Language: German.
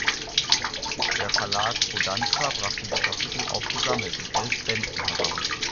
Der Verlag Kodansha brachte die Kapitel auch gesammelt in elf Bänden heraus.